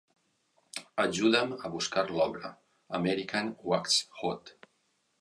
Ajuda'm a buscar l'obra, American Wax Hot.